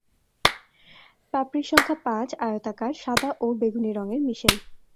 পাপড়ির সংখ্যা পাঁচ, আয়তাকার, সাদা ও বেগুনি রঙের মিশেল।